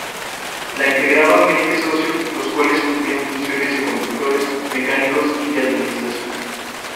La integraban veinte socios los cuales cumplían funciones de conductores, mecánicos y de administración.